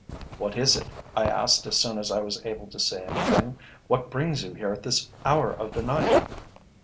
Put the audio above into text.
"'What is it?' I asked as soon as I was able to say anything. 'What brings you here at this hour of the night?'